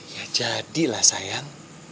ya jadilah sayang